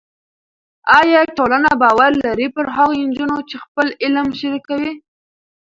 ایا ټولنه باور لري پر هغو نجونو چې خپل علم شریکوي؟